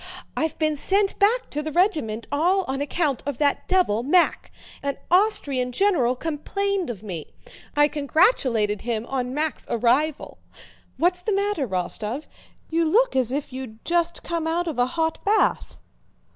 "I've been sent back to the regiment all on account of that devil, Mack. An Austrian general complained of me. I congratulated him on Mack's arrival... What's the matter, Rostóv? You look as if you'd just come out of a hot bath."